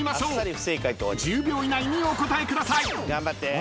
［１０秒以内にお答えください］